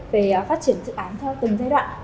về phát triển dự án từ từng giai đoạn